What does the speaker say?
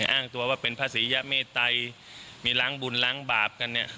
อ้างตัวว่าเป็นพระศรียะเมตัยมีล้างบุญล้างบาปกันเนี่ย